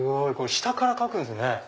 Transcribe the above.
下から描くんですね。